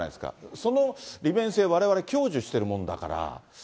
その利便性、われわれ享受しているものだから。